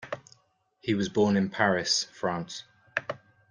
He was born in Paris, France.